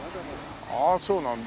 ああそうなんだ。